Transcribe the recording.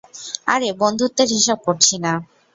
আরে বন্ধুত্বের হিসাব করছি না।